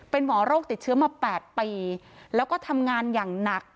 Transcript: เป็นหมอโรคติดเชื้อมา๘ปีแล้วก็ทำงานอย่างหนัก